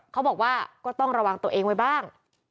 เขาบอกว่าก็ต้องระวังตัวเองไว้บ้าง